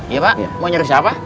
iya pak mau nyari siapa